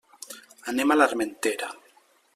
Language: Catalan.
Anem a l'Armentera.